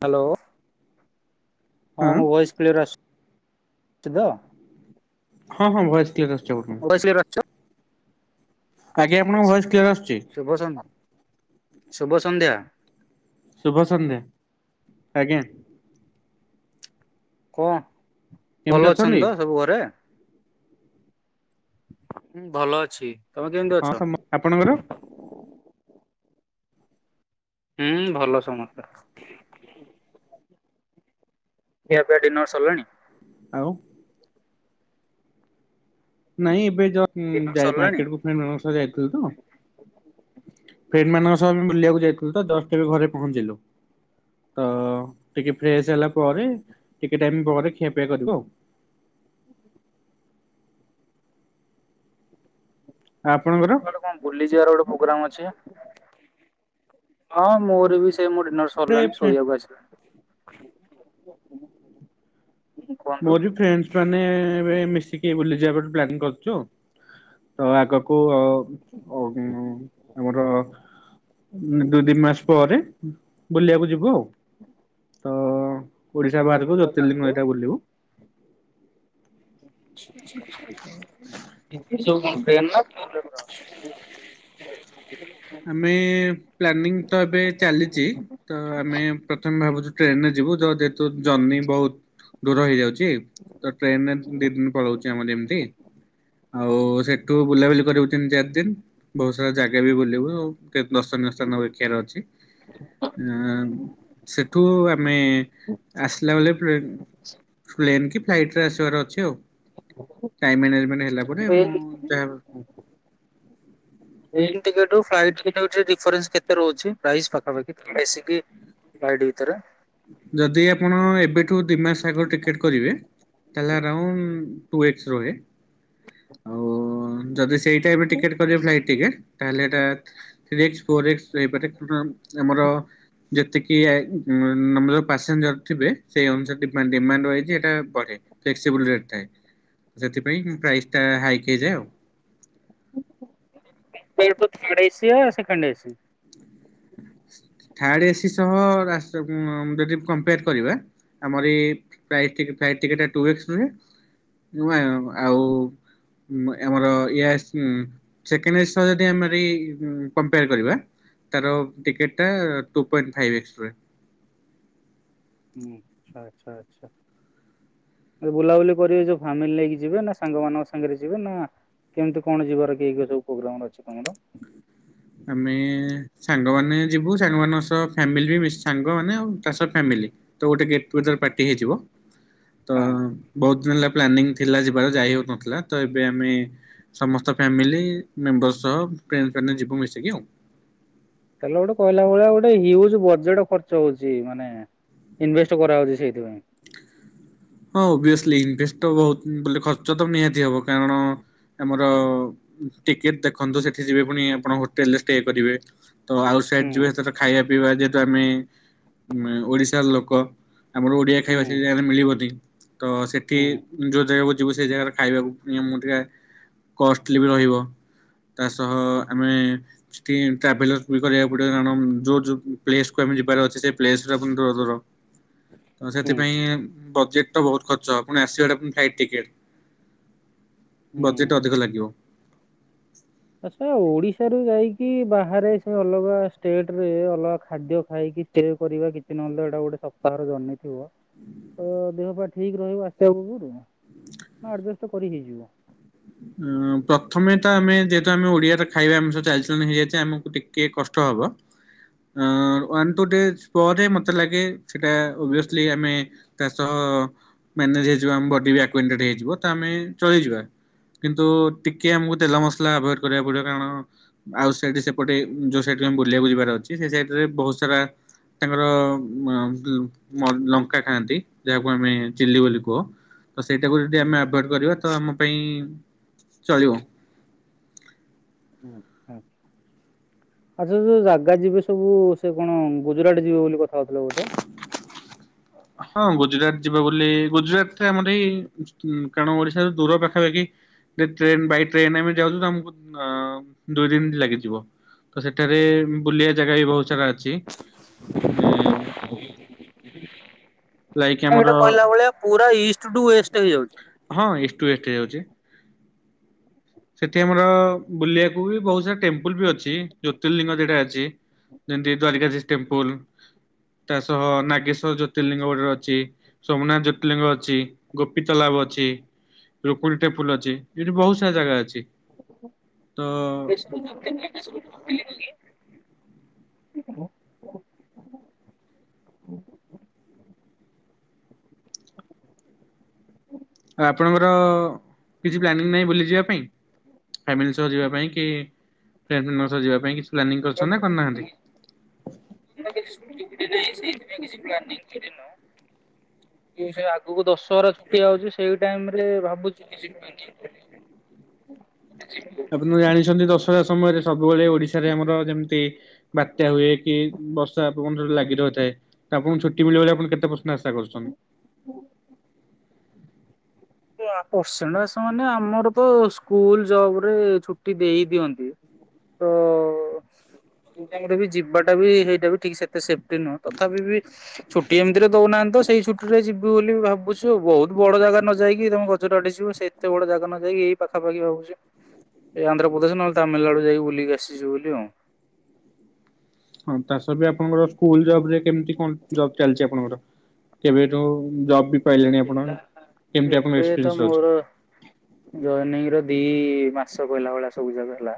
Hello. ହଁ ମୋ voice clear ଆସୁଚି ତ? ହଁ ହଁ ଭଏସ କ୍ଳିଅର ଆସୁଚି ଆପଣଙ୍କ ଠିକ [inaudible] ଆଜ୍ଞା ଆପଣଙ୍କ ଭଏସ୍ କ୍ଲିୟର ଆସୁଛି। ଶୁଭ ସନ୍ଧ୍ୟ ଶୁଭ ସନ୍ଧ୍ୟା। ଶୁଭ ସନ୍ଧ୍ୟା ଆଜ୍ଞା। କଣ ଭଲ ଅଛନ୍ତି ତ ସବୁ ଘରେ? ହୁଁ ଭଲ ଅଛି। ତମେ କେମିତି ହଁ ଅଛ? ସମ ଆପଣଙ୍କର? ହୁଁ ଭଲ ସମସ୍ତେ। ଖିଆପିଆ ଡିନର୍ ସରିଲାଣି? ଆଉ। ନାଇଁ ଏବେ ଜ ଡିନର ସରିଲାଣି? ମାର୍କେଟ ବୁକପାଇଁ ମ୍ୟାମ ଙ୍କ ସହ ଯାଇଥିଲି ତ ଫ୍ରେଣ୍ଡ ମାନଙ୍କ ସହଆମେ ବି ବୁଲିବାକୁ ଯାଇଥିଲୁ ତଜଷ୍ଟ ଏବେ ଘରେ ପହଞ୍ଚିଲୁ। ତ ଟିକେ ଫ୍ରେେଶ ହେଲା ପରେ ଟିକେ ଟାଇମ୍ ପରେ ଖିଆପିଆ କରିବୁ ଆଉ। ଆପଣଙ୍କର? କୁଆଡେ କଣ ବୁଲିଜିବାର ଗୋଟେ ପୋଗ୍ରାମ ଅଛି ହଁ ମୋର ବି ସେ ମୁଁ ଡିନର ସା ସରିଲାଣି ଶୋଇବାକୁ ଆସିଲି। ମୋରବି ଫ୍ରେଣ୍ଡସ ମାନେ ଏବେ ମିଶିକି ଟିକେ ବୁଲିଯିବାକୁ ଗୋଟେ ପ୍ଲାନିଂ କରଛୁ ଆଉ ତ ଆଗକୁ ଆମର ଦୁଇ ତିନି ମାସ ପରେ ବୁଲିବାକୁ ଯିବୁ ଆଉ ତ ଓଡିଶା ବାହାରକୁ ଟ୍ରେନ ଜୋତିର୍ଲିଙ୍ଗ ହେଟା ବୁଲିବୁ। ହୁଁ [inaudible] ହଁ ଆମେ ପ୍ଲାନିଂ ତ ଏବେ ଚାଲିଛି। ତ ଆମେ ପ୍ରଥମେ ଭାବୁଛୁ ଟ୍ରେନରେ ଯିବୁ ତ ଯେହେତୁ ଜର୍ଣ୍ଣିି ବହୁତ ଦୂର ହେଇଯାଉଛି ତି ଟ୍ରେନରେ ଦି ଦିନି ପଳଉଚି ଆମର ଏମିତି। ଆଉ ସେଠୁ ବୁଲାବୁଲି କରିବୁ ତିନି, ଚାରି ଦିନ। ବହୁତ ସାରା ଜାଗା ବି ବୁଲିବୁ ଆଉ। ତେ ଦର୍ଶନୀୟ ସ୍ଥାନ ଦେଖିଆର ଅଛି। ଉଁ ସେଠୁ ଆମେ ଆସିଲା ବେଳେ ପ୍ଲେନ ପ୍ଲେନ୍ କି ଫ୍ଲାଇଟରେ ଆସିବାର ଅଛି ଆଉ। ଟାଇମ୍ ମ୍ୟାନେଜମେଣ୍ଟ ହେଲା ପରେ ମୁଁ ଯାହା ପ୍ଲେନ ଟିକେଟରୁ ଫ୍ଲାଇଟ [unintelligible] ଡିଫରେନ୍ସ କେତେ ରହୁଛି ପ୍ରାଇସ୍ ପାଖାପାଖି, ବେସିକି ଫ୍ଲାଇଟ ଭିତେରେ। ଯଦି ଆପଣ ଏବେଠୁ ଦି ମାସ ଆଗ ଟିକେଟ କରିବେ ତାହେଲେ ଅରାଉଣ୍ଡ ଟୁ ଏକ୍ସ ରହେ। [inaudible] ଓ ଯଦି ସେଇଟା ଏବେ ଟିକେଟ୍ କରବ ଫ୍ଲାଇଟ୍ ଟିକେଟ ତାହେଲେ ଏଇଟା ଥ୍ରୀ ଏକ୍ସ, ଫୋର ଏକ୍ସ ହେଇପାରେ [unintelligible] ଆମର ଯେତିକି ଆଇ ଉଁ ର ପାସେଞ୍ଜର ଥିବେ ସେଇ ଅନୁସାରେ ଡିମାଣ୍ଡ ଡିମାଣ୍ଡ ୱାଇଜ୍ ଏଇଟା ବଢ଼େ। ଫ୍ଲେକ୍ସିବୁଲ ରେଟ୍ ଥାଏ। ସେଥିପାଇଁ ପ୍ରାଇସ୍ ଟା ହାଇକ ହେଇଯାଏ ଆଉ। [unintelligible] ଥାର୍ଡ଼ ଏସି ୟା ସେକେଣ୍ଡ ଏସି? ଥାର୍ଡ ଏସି ସହ ରାସ ଉଁ ଯଦି କମ୍ପେୟାର କରିବା ଆମର ଏ ଫ୍ଲାଇଟ ଟିକେଟ -ଫ୍ଲାଇଟ ଟିକେଟ ଟା ଟୁ ଏକ୍ସ ରୁହେ। ନୁଏ ଆଉ ଉଁ ଆମର ଏଇ ଆସ ସେକେଣ୍ଡ ଏସି ସହ ଯଦି ଆମେ କମ୍ପେୟାର କରିବା ତାର ଟିକେଟଟା ଟୁ ପଏଣ୍ଟ ଫାଇଫ୍ ଏକ୍ସ ରହିବ। ହୁଁ ଆଚ୍ଛା, ଆଚ୍ଛା, ଆଚ୍ଛା। ଯୋଉ ବୁଲାବୁଲି କରିବେ ଯୋଉ ଫ୍ୟାମିଲି ନେଇକି ଯିବୁ ନା ସାଙ୍ଗମାନାନଙ୍କ ସାଙ୍ଗରେ ଯିବୁ ନା କେମିତି କଣ ଯିବାର କି କି ସବୁ ପ୍ରୋଗ୍ରାମର ଅଛି ତମର? ଆମେ ସାଙ୍ଗମାନେ ଯିବୁ। ସାଙ୍ଗମାନଙ୍କ ସହ ଫ୍ୟାମିଲି ବି ମିଶି ସାଙ୍ଗମାନେ ଆଉ ତା ସହ ଫ୍ୟାମିଲି। ତ ଗୋଟେ ଗେଟ୍ ଟୁଗେଦର ପାର୍ଟି ହେଇଯିବ। [inaudible] ତ ବହୁତ ଦିନ ହେଲା ପ୍ଲାନିଂ ଥିଲା ଯିବାର। ଯାଇ ହଉନଥିଲା। ତ ଏବେ ଆମେ ସମସ୍ତ ଫ୍ୟାମିଲି ମେମ୍ବର ସହ ପ୍ଲେନ କରିକିନା ଯିବୁ ମିଶିକି ଆଉ। ତାହେଲେ ଗୋଟେ କହିଲା ଭଳିଆ ଗୋଟେ ହ୍ୟୁଜ ବଜେଟ ଖର୍ଚ୍ଚ ହଉଛି। ମାନେ ଇନଭେଷ୍ଟ କରାହଉଛି ସେଇଥିପାଇଁ। ହଁ ଓଭିଅସଲି, ଇନଭେଷ୍ଟ ତ ବହୁତ ବୋଲେ ଖର୍ଚ୍ଚ ତ ନିହାତି ହବ। କାରଣ ଆମର ଟିକେଟ ଦେଖନ୍ତୁ। ସେଠି ଯିବେ ପୁଣି ଆପଣ ହୋଟେଲରେ ଷ୍ଟେ କରିବେ। ତ ଆଉଟ୍ ହୁଁ ସାଇଡ଼ ଯିବେ ସେ ଖାଇବା, ପିଇବା ଯେହେତୁ ଆମେ ମେ ଓଡିଶାର ଲୋକ। ଆମର ଓଡିଆ ହୁଁ ଖାଇବା ସେ ଜାଗାରେ ମିଳିବନି। ତ ସେଠି ହୁଁ ଯୋଉ ଜାଗାକୁ ଯିବୁ ସେ ଜାଗାରେ ଖାଇବାକୁ ପ ମୁଁ ଟିକେ କଷ୍ଟଲି ବି ରହିବ। ତା ସହ ଆମେ ଷ୍ଟିଲ ଟ୍ରାଭେଲସ ବି କରିବାକୁ ପଡ଼ିବ, କାରଣ ଯୋଉ ଯୋଉ ପ୍ଲେସକୁ ଆମେ ଯିବାର ଅଛି ସେ ପ୍ଲେସ ବି ଦୂର ଦୂର। ହଁ ହୁଁ ସେଥିପାଇଁ ବଜେଟ୍ ତ ବହୁତ ଖର୍ଚ୍ଚ। ପୁଣି ଆସିବାଟା ପୁଣି ଫ୍ଲାଇଟ୍ ଟିକେଟ୍। ହୁଁ। ବଜେଟ ଅଧିକ ଲାଗିବ। ଆଚ୍ଛା ଓଡିଶାରୁ ଯାଇକି ବାହାରେ ସେ ଅଲଗା ଷ୍ଟେଟରେ ଅଲଗା ଖାଦ୍ୟ ଖାଇକି ଏଞ୍ଜୟେ କରିବା କିଛି ନହଲେ ଏଟା ଗୋଟେ ସପ୍ତାହର ଜର୍ଣ୍ଣି ଥିବ। ତ ଦେହ ପା ଠିକ ରହିବ ଆସିବା ପୁର୍ବୁରୁ? ହଁ ଆଡଜଷ୍ଟ କରି ହେଇଯିବ। ଉଁ ପ୍ରଥମେ ତ ଆମେ ଯେହେତୁ ଆମେ ଓଡିଆ ତ ଖାଇବା ଆମ ସହିତ [unintelligible] ହେଇଯାଇଛି ଆମକୁ ଟିକେ କିଏ କଷ୍ଟ ହବ। ଆଁ ୱାନ୍ ଟୁ ଡେଜ ପରେ ମୋତେ ଲାଗେ ସେଇଟା ଓଭିଅସଲି ଆମେ ତା ସହ ମ୍ୟାନେଜ ହେଇଯିବ ଆମ ବଡି ବି ଆକ୍ୟେଣ୍ଟେଡ ହେଇଯିବ ତ ଆମେ ଚଳିଇଯିବା। କିନ୍ତୁ ଟିକେ ଆମକୁ ତେଲ ମସଲା ଆଭଏଡ କରିବାକୁ ପଡିବ କାରଣ ଆଉ ସାଇଡ ସେପଟେ ଯୋଉ ସାଇଡ ବୁଲିବାକୁ ଯିବାର ଅଛି ସେ ସାଇଡ ରେ ବହୁତ ସାରା ତାଙ୍କର [unintelligible] ଲଙ୍କା ଖାଆନ୍ତି ଯାହାକୁ ଆମେ ଚିଲି ବୋଲି କୁହ। ତ ସେଇଟାକୁ ଯଦି ହୁଁ। ଆମେ ଆଭଏଡ଼୍ କରିବା ତ ଆମ ପାଇଁ ଚଳିବ। [inaudible] ଆଚ୍ଛା ଯୋଉ ଜାଗା ଯିବେ ସବୁ ସେ କଣ ଗୁଜୁରାଟ ଯିବେ ବୋଲି କଥା ହଉଥିଲେ ବୋଧେ? ହଁ ଗୁଜୁରାଟ ଯିବ ବୋଲି ଗୁଜୁରାଟ ଆମର ଏଇ କାରଣ ଓଡିଶା ଦୂର ପାଖାପାଖି। ଟ୍ରେନ ବାଇ ଟ୍ରେନ ଆମେ ଯାଉଛୁ ତ ଆମକୁ ଅ ଦୁଇ ଦିନ ଲାଗିଯିବ। ତ ସେଠାରେ ବୁଲିବା ଜାଗା ବି ବହୁତ ସାରା ଅଛି ଉମ୍। ଲାଇକ୍ ଆମର ଏଇଟା କହିଲା ଭଳିଆ ପୁରା ଇଷ୍ଟ ଟୁ ୱେଷ୍ଟ ହେଇଯାଉଛି। ହଁ ଇଷ୍ଟ ୱେଷ୍ଟ ଯାଉଛି। ସେଠି ଆମର ବୁଲିବାକୁ ବି ବହୁତ ସାରା ଟେମ୍ପୁଲ ବି ଅଛି ଜ୍ୟୋତିର୍ଲିିଙ୍ଗ ସେଟା ଅଛି। ଯେମିତି ଦ୍ଵାରିକାଜୀ ଟେମ୍ପୁଲ ତା ସହ ନାଗେଶ୍ଵର ଜ୍ୟୋତି ଜ୍ୟୋତିର୍ଲିଙ୍ଗ ଗୋଟରେ ଅଛି ସୋମନାଥ ଜ୍ୟୋତିର୍ଲିଙ୍ଗ ଅଛି ଗୋପୀତାଲାଭ ଅଛି। ରୁକୁଣ ଟେମ୍ପୁଲ ଅଛି ଏଠି ବହୁତ ସାରା ଜାଗା ଅଛି। ତ [unintelligible] [inaudible] ତ ଆପଣଙ୍କର କିଛି ପ୍ଲାନିଂ ନାହିଁ ବୁଲିଯିବା ପାଇଁ? ଫାମିଲି ସହ ଯିବା ପାଇଁ କି ଫ୍ରେଣ୍ଡ ମାନଙ୍କ ସହ ଯିବା ପାଇଁ କି [inaudible] [unintelligible] ସେ ଆଗକୁ ଦଶହରା ଛୁଟି ଆଉଛି ସେଇ ଟାଇମ ରେ ଭାବୁଛି କି [inaudible] ଆପଣ ଜାଣିଛନ୍ତି ଦଶହରା ସମୟରେ ସବୁବେଳେ ଓଡିଶାରେ ଆମର ଯେମିତି ବାତ୍ୟା ହୁଏ କି ବର୍ଷା ପବନ ଲାଗି ରହିଥାଏ। ଆପଣଙ୍କୁ ଛୁଟି ମିଳିବ ବୋଲି ଆପଣ କେତେ ପଶନ ଆଶା କରୁଛନ୍ତି? ହୁଁ ପରସେଣ୍ଟସ ମାନେ ଆମର ତ ସ୍କୁଲ ଜବ ରେ ଛୁଟି ଦେଇ ଦିଅନ୍ତି। ତ ଆମର ବି ଯିବାଟା ବି ହେଇଟା ବି ଠିକ ସେତେ ସେଫ୍ଟି ନୁହଁ। ତଥାପି ବି ଛୁଟି ଏମିତିରେ ଦଉନାହାନ୍ତି ତ ସେଇ ଛୁଟି ରେ ଯିବୁ ବୋଲି ଭାବୁଛୁ ବହୁତ ବଡ ଜାଗା ନ ଯାଇକି ତମ ଗଜର ଆଡ଼େ ଯିବ ସେ ଏତେ ବଡ଼ ଜାଗା ନ ଯାଇକି ଏଇ ପାଖାପଖ ଭାବଛି। ଏ ଆନ୍ଧ୍ରପ୍ରଦେଶ ନହେଲେ ତାମିଲନାଡୁା ଯାଇକି ବୁଲିକି ଆସିଛୁ ବୋଲି ଆଉ। ହଁ- ତା- ସ- ବି ଆପଣଙ୍କର ସ୍କୁଲ ଜବ ରେ କେମିତି କଣ ଜବ ଚାଲିଛି ଆପଣଙ୍କର? କେବେଠୁ ଜବ୍ ବି ପାଇଲେଣି ଆପଣ କେମିତି ଆପଣ ଏକ୍ସପିରିଏନ୍ସ ରହୁଛି? ଜୈନିଂ ର ଦି ମାସ କହିଲା ଭଳିଆ ସବୁ ଯାକ ହେଲା।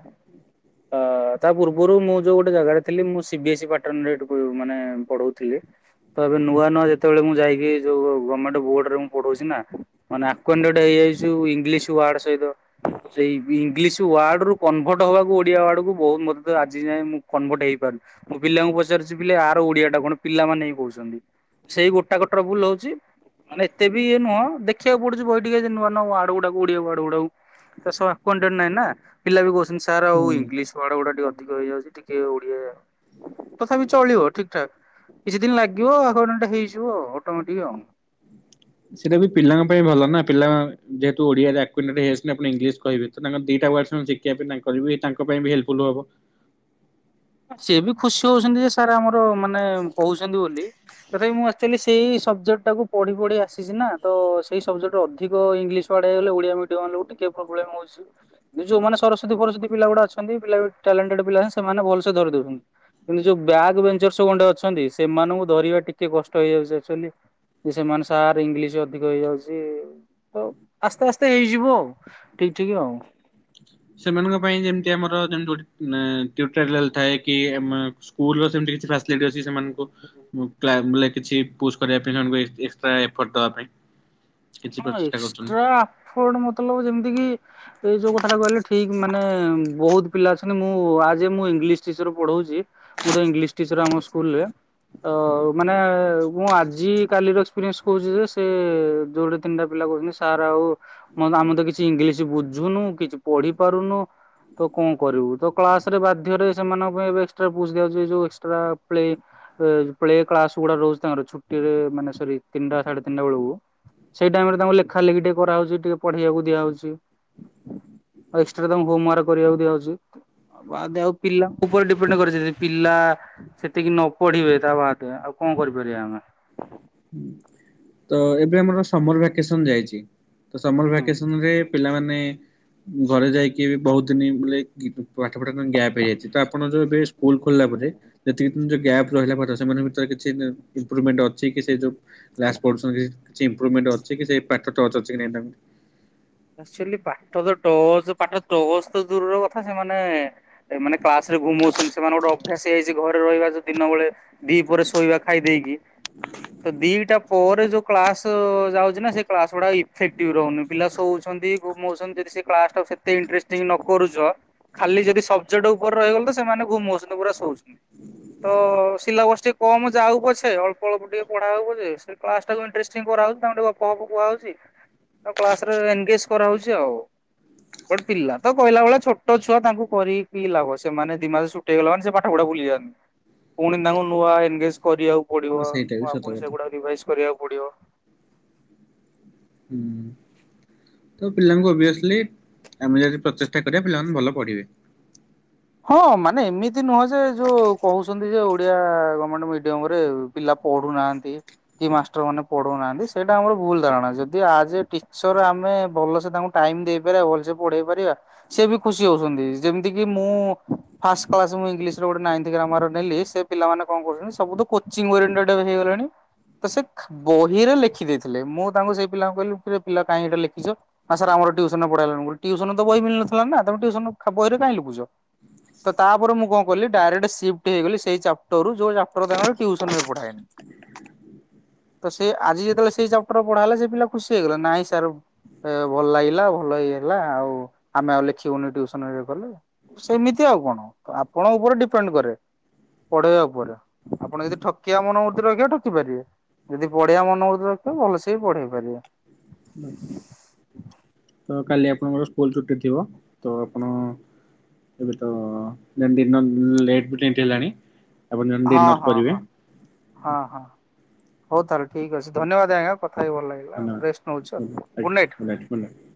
ଅ- ତା ପୂର୍ବରୁ ମୁଁ ଯୋଉ ଗୋଟେ ଜାଗାରେ ଥିଲି ମୁଁ ସିବି ଏସ୍ଇ ପାଟନରେ ମାନେ ପଢଉଥିଲି। ତ ଏବେ ନୂଆ ନୂଆ ଯେତେବେଳେ ମୁଁ ଯାଇକି ଯୋଉ ଗମେଣ୍ଟ ବୋର୍ଡ଼ରେ ମୁଁ ପଢଉଛି ନା ମାନେ ଆୱଣ୍ଡେଡ଼ ହେଇଯାଇଛି ଇଂଲିସ୍ ୱାର୍ଡ଼ ସହିତ। ସେଇ ଇଂଲିସ୍ ୱାର୍ଡ ରୁ କନଭର୍ଟ ହବାକୁ ଓଡିଆ ୱାର୍ଡ କୁ ବହୁତ ମତେ ଆଜି ଯାଏଁ ମୁଁ କନଭର୍ଟ ହେଇପାରୁନି। ମୁଁ ପିଲାଙ୍କୁ ପଚାରୁଛି ପିଲେ ଆର ଓଡିଆ ଟା କଣ ପିଲାମାନେ ହିଁ କହୁଛନ୍ତି। ସେଇ ଗୋଟା କ ଟ୍ରୋବୁଲ ହଉଛି। ମାନେ ଏତେ ଏଇ ନୁହଁ ଦେଖିବାକୁ ପଡଛି ବହି ଟିକେ ନ ଆ ଗୁଡାକୁ ଓଡିଆଡ଼ ଗୁଡାକୁ [inaudible] ନହିଁ ନା, ପିଲା ବି କହୁଚନ୍ତି ସାର୍ ଆଉ ହୁଁ ଇଂଲିଶ୍ ୱାଡେ ଗୁଡ଼ା ଟିକେ ଅଧିକ ହେଇଯାଉଚି, ଟିକେ ଓଡ଼ିଆ ତଥାପି ଚଳିବ ଠିକ୍ ଠାକ୍ କିଛି ଦିନ୍ ଲାଗିବ [unintelligible] ହେଇଯିବ ଆଉ, ଅଟୋମେଟିକ୍ ଆଉ। ସେଇଟା ବି ପିଲାଙ୍କ ପାଇଁ ଭଲ ନା, ପିଲା ଯେହେତୁ ଓଡିଆରେ [unintelligible] ହୋଇଯାଉଚନ୍ତି ଆଉ ପୁଣି ଇଂଲିଶ୍ କହିବେ ତ [unintelligible] ଦିଟା ୱାର୍ଡସ୍ ମିଳୁଚି କି? [unintelligible] ତାଙ୍କର ବି ତାଙ୍କ ପାଇଁ ବି ହେଲ୍ପଫୁଲ୍ ହବ। ସିଏ ବି ଖୁସି ହଉଚନ୍ତି ଯେ ସାର୍ ଆମର ମାନେ କହୁଛନ୍ତି ବୋଲି। ତଥାପି ମୁଁ ଆକ୍ଚୁଆଲି ସେଇ ସବ୍ଜେକ୍ଟଟାକୁ ପଢି-ପଢି ଆସିଚି ନା, ତ ସେଇ ସବ୍ଜେକ୍ଟର ଅଧିକ ଇଂଲିଶ୍ [unintelligible] ଓଡିଆ ମିଡିୟମ୍ [unintelligible] ଟିକେ ପ୍ରୋବ୍ଲେମ୍ ହଉଚି। [unintelligible] ଯୋଉମାନେ ସରସ୍ଵତୀ ଫରସ୍ଵତୀ ପିଲା ଗୁଡା ଅଛନ୍ତି ପିଲା ବି ଟ୍ୟାଲେଣ୍ଟେଡ୍ ପିଲା ଅଛନ୍ତି, ସେମାନେ ଭଲ୍ସେ ଧରି ଦଉଚନ୍ତି। କିନ୍ତୁ ଯୋଉ ବ୍ୟାକ୍ ବେନ୍ଚର ସବୁ ଗଣ୍ଡେ ଅଛନ୍ତି, ସେମାନଙ୍କୁ ଧରିବା ଟିକେ କଷ୍ଟ ହେଇଯାଉଚି ଅକ୍ଚୁଅଲି। ଯେ ସେମାନେ ସାର୍ ଇଂଲିଶ୍ ଅଧିକ ହେଇଯାଉଚି, ତ ଆସ୍ତେ-ଆସ୍ତେ ହେଇଯିବ ଆଉ। ଠିକ୍-ଠିକ୍ ଆଉ। ସେମାନଙ୍କ ପାଇଁ ଯେମ୍ତି ଆମର ଯେମ୍ ତି ଗୋଟେ ଟିଉଟୋରିଆଲ୍ ଥାଏ କି ଆମ ସ୍କୁଲ୍ ର ସେମ୍ତି କିଛି ଫ୍ୟାସିଲିଟି ଅଛି, ସେମାନଙ୍କୁ [unintelligible] କିଛି ପୁସ୍ କରିବା ପାଇଁ ସେମାନଙ୍କୁ ଏକ୍ସଟ୍ରା ଏଫର୍ଟ ଦବା ପାଇଁ। କିଛି ଆପଣଙ୍କ ପ୍ରଚେଷ୍ଟା କରୁଛନ୍ତି। ଏକ୍ସଟ୍ରା ଆଫର୍ଟ ମତଲବ୍ ଯେମ୍ତିକି ଏଇ ଯୋଉ କଥାଟା କହିଲେ ଠିକ୍ ମାନେ ବହୁତ୍ ପିଲା ଅଛନ୍ତି ମୁଁ ଆଜ୍ ଏ ମୁଁ ଇଂଲିଶ୍ ଟିଚର୍ ପଢଉଚି ମୁଁ ତ ଇଂଲିଶ୍ ଟିଚର୍ ଆମ ସ୍କୁଲ୍ ରେ। ଅ ମାନେ ମୁଁ ଆଜି କାଲିର ଏକ୍ସପିରିଏନ୍ସ କହୁଚି ଯେ, ସେ ଯୋଡେ ତିନିଟା ପିଲା କହୁଚନ୍ତି ସାର୍ ଆଉ ଆମେ ତ କିଛି ଇଂଲିଶି ବୁଝୁନୁ, କିଛି ପଢି ପାରୁନୁ ତ କଣ କରିବୁ ତ କ୍ଲାସ୍ ରେ ବାଧ୍ୟରେ ସେମାନଙ୍କ ପାଇଁ ଏବେ ଏକ୍ସଟ୍ରା ପୁଶ୍ ଦିଆହଉଚି, ଏ ଯୋଉ ଏକ୍ସଟ୍ରା ପ୍ଲେ ପ୍ଳେ କ୍ଲାସ୍ ଗୁଡା ରହୁଚି ତାଙ୍କର ଛୁଟିରେ ମାନେ ସରି ତିନିଟା ସାଢେ ତିନିଟା ବେଳୁକୁ। ସେଇ ଟାଇମ୍ ରେ ତାଙ୍କୁ ଲେଖା ଲେଖି ଟିକେ କରାହଉଚି, ଟିକେ ପଢେଇବାକୁ ଦିଆହଉଚି। ଆଉ ଏକ୍ସଟ୍ରା ତାଙ୍କୁ ହୋମ୍ ୱାର୍କ କରିଆକୁ ଦିଆ ହଉଚି। ବାଦେ ଆଉ ପିଲାଙ୍କ ଉପରେ ଡିପେଣ୍ଡ କରେ, ସେ [unintelligible] ପିଲା ସେତିକି ନ ପଢିବେ ତା ବାଦେ ଆଉ କଣ କରିପାରିଆ ଆମେ। ତ ଏବେ ଆମର ସମର୍ ଭ୍ୟାକେସନ୍ ଯାଇଚି, ତ ସମର୍ ହୁଁ। ଭ୍ୟାକେସନ୍ ରେ ପିଲାମାନେ ଘରେ ଯାଇକି ବି ବହୁତ୍ ଦିନି [unintelligible] [unintelligible] ପାଠପଢା ତାଙ୍କ ଗ୍ୟାପ୍ ହେଇଯାଇଚି, ତ ଆପଣ ଯୋଉ ଏବେ ସ୍କୁଲ୍ ଖୋଲିଲା ପରେ ଯେତିକି ଦିନ୍ ଯୋଉ ଗ୍ୟାପ୍ ରହିଲା ପାଠ, ସେମାନଙ୍କ ଭିତରେ କିଛି ଇମ୍ପ୍ରୁଭମେଣ୍ଟ ଅଛି କି ସେ ଯୋଉ କ୍ଲାସ୍ ପଢୁଛନ୍ତି କିଛି ଇମ୍ପ୍ରୁଭମେଣ୍ଟ ଅଛି କି ସେ ପାଠ ଟଚ୍ ଅଛି କି ନାଇଁ ତାଙ୍କର। ଆକ୍ଚୁଆଲି ପାଠ ତ ଟଚ୍ ପାଠ ଟଚ୍ ତ ଦୂରର କଥା, ସେମାନେ ମାନେ କ୍ଲାସ୍ ରେ ଘୁମୋଉଚନ୍ତି, ସେମାନେ ଗୋଟେ ଅଭ୍ୟାସ ହେଇଯାଇଚି ଘରେ ରହିବା ଯୋଉ ଦିନ ବେଳେ ଦି ପହରେ ଶୋଇବା ଖାଇ ଦେଇକି ତ ଦିଟା ପରେ ଯୋଉ କ୍ଳାସ ଯାଉଚି ନା, ସେ କ୍ଲାସ ଗୁଡା ଇଫେକ୍ଟିଭ୍ ରହୁନି ପିଲା ଶୋଉ ଚନ୍ତି ଘୁମୋଉଚନ୍ତି, ଯଦି ସେ କ୍ଲାସ୍ ଟାକୁ ସେତେ ଇଣ୍ଟ୍ରେଷ୍ଟିଙ୍ଗ ନ କରୁଚ ଖାଲି ଯଦି ସବ୍ଜେକ୍ଟ ଉପରେ ରହିଗଲ ତ ସେମାନେ ଘୁମୋଉଚନ୍ତି ପୁରା ଶୋଉଚନ୍ତି। ତ ସିଲାବସ୍ ଟିକେ କମ ଯାଉ ପଛେ ଅଳ୍ପ-ଅଳ୍ପ ଟିକେ ପଢା ହଉ ପଛେ କ୍ଲାସ୍ ଟାକୁ ଇଣ୍ଟ୍ରେଷ୍ଟିଙ୍ଗ କରାହଉଚି ତାଙ୍କୁ ଟିକେ ଗପ [unintelligible] କୁହାହଉଚି, ତାଙ୍କୁ କ୍ଲାସ୍ ରେ [unintelligible] [unintelligible] କରାହଉଚି ଆଉ। ବଟ୍ ପିଲା ତ କହିଲା ଭଳିଆ ଛୋଟ ଛୁଆ ତାଙ୍କୁ କରିକି ଲାଭ, ସେମାନେ ଦି ମାସ ଛୁ ଟି ହେଇଗଲା ମାନେ ସେ ପାଠପଢା ଭୁଲି ଯାଆନ୍ତି, ପୁଣି ତାଙ୍କୁ ନୂଆ ଏନ୍ନ୍ଗେଜ୍ କରିଆକୁ ପଡିବ, ସେଇଟା ବି ନୂଆ ସତ ପୁଣି କଥା ସେଗୁଡାକ ରିଭାଇଜ୍ କରିଆକୁ ପଡିବ। ହୁଁ। ତ ପିଲାଙ୍କୁ ଓଭିଅସଲି ଆମେ ଯଦି ପ୍ରଚେଷ୍ଟା କରିବା ପିଲାମାନେ ଭଲ ପଢ଼ିବେ। ହଁ ମାନେ ଏମିତି ନୁହଁ ଯେ ଯୋଉ କହୁଛନ୍ତି ଯେ ଓଡିଆ ଗମେଣ୍ଟ ମିଡିୟମ ରେ ପିଲା ପଢୁନାହାନ୍ତି। କି ମାଷ୍ଟର ମାନେ ପଢଉନାହାନ୍ତି ସେଇଟା ଆମର ଭୁଲ ଧାରଣା ଯଦି ଆଜ ଏ ଟିଚର ଆମେ ଭଲସେ ତାଙ୍କ ଟାଇମ ଦେଇପାରିବା ଭଲସେ ପଢେଇ ପାରିବା ସେ ବି ଖୁସି ହଉଛନ୍ତି ଯେମିତି କି ମୁଁ ଫ୍ଲାସ କ୍ଲାସ ମୁଁ ଇଂଲିଶ ଗୋଟେ ନଇଁଥ ଗ୍ରାମର ନେଲି ସେ ପିଲାମାନେ କଣ କରୁଛନ୍ତି ସବୁଠୁ କୋଚିଂ ଓରିଣ୍ଡେଦେବ ହେଇଗଲାଣି ତ ସେ ବହିରେ ଲେଖିଦେଇଥିଲେ ମୁଁ ତାଙ୍କୁ ସେଇ ପିଲାଙ୍କୁ କହିଲି କି ପିଲା କାହିଁ ଏଇଟା ଲେଖିଛ। ନା ସାର୍ ଆମ ଟ୍ୟୁସନରେଟ ପଢେଇଲାଣି ମୁ କହିଲି ଟିୁସନ ତ ବହି ମିଳି ନଥିଲା ନା ତମେ ଟ୍ୟୁସନ ବହି କାହିଁ ଲୁଖୁଛ ତ ତାପରେ ମୁଁ କଣ କଲି ଡାଇରେକ୍ଟ ସିଫ୍ଟ ହେଇଗଲି ସେଇ ଚାପଟରରୁ ଯୋଉ ଚାପଟର ତାଙ୍କର ଟ୍ୟୁସନରେ ପଢାହେଇ ତ ସେ ଆଜି ଯେତେବେଳେ ସେଇ ଚାପଟର ପଢା ହେଲା ସେ ପିଲା ଖୁସି ହେଇଗଲା ନାହିଁ ସାର୍ ଏ ଭଲ ଲାଗିଲା ଭଲ ହେଇ ହେଲା ଆଉ ଆମେ ଆଉ ଲେଖିବୁନି ଟୁସନରେ ଗଲେ। ଏମିତି ଆଉ କଣ ଆପଣ ଉପରେ ଡିପେଣ୍ଡ କରେ। ପଢେଇବା ଉପରେ ଆପଣ ଯଦି ଠକିିବା ମନମୂର୍ତ୍ତି ରଖିବା ଠକି ପାରିବେ। ଯଦି ପଢ଼ିବା ମନ ବୁର୍ତି ରଖିବା ଭଲସେ ବି ପଢେଇ ପାରିବ। [inaudible] ତ କାଲି ଆପଣଙ୍କର ସ୍କୁଲ ଛୁଟି ଥିବ ତ ଆପଣ ଏବେ ତ [unintelligible] ଆପଣ ଜଣେ ହଁ ଡିନର୍ ହଁ ହଁ। ହଁ ହଁ ହଉ ତାହେଲେ ଠିକ ଅଛି ଧନ୍ୟବାଦ ଆଜ୍ଞା କଥା ହି ଭଲଲାଗିଲା। ଧନ୍ୟବାଦ ଗୁଡ ନାଇଟ ଗୁଡ ନାଇଟ।